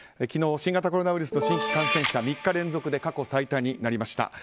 昨日、新型コロナウイルスの新規感染者３日連続で過去最多になりました。